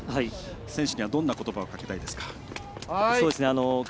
選手には、どんなことばをかけたいですか。